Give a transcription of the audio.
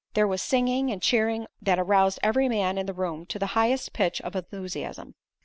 There was singing and cheering that aroused every man in the room to the highest pitch of enthusiasm.